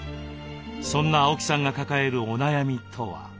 そんな青木さんが抱えるお悩みとは？